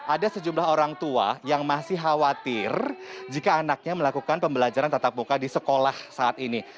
ada sejumlah orang tua yang masih khawatir jika anaknya melakukan pembelajaran tetap muka di sekolah saat ini